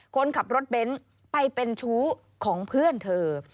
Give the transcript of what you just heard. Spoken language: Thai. คนขับรถเบนท์ไปเป็นชู้ของเพื่อนเธอ